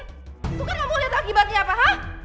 tuh kan kamu mau lihat akibatnya apa hah